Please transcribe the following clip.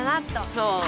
そう！